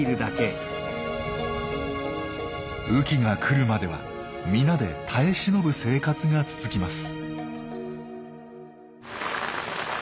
雨季が来るまでは皆で耐え忍ぶ生活が続きます。